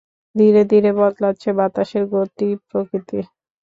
ধীরে ধীরে বদলাচ্ছে বাতাসের গতিপ্রকৃতি।